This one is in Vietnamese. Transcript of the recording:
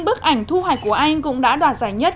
bức ảnh thu hoạch của anh cũng đã đoạt giải nhất